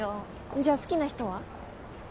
じゃあ好きな人は？